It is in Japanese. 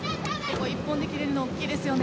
１本で切れるのは大きいですよね。